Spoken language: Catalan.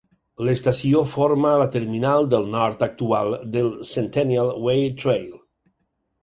L'estació forma la terminal del nord actual del Centennial Way Trail.